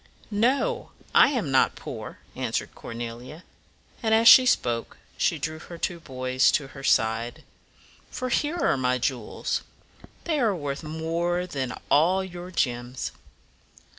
"No, I am not poor," answered Cornelia, and as she spoke she drew her two boys to her side; "for here are my jewels. They are worth more than all your gems."